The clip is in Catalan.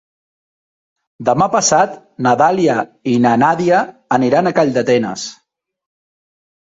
Demà passat na Dàlia i na Nàdia aniran a Calldetenes.